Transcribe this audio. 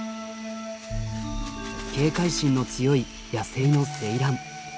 警戒心の強い野生のセイラン。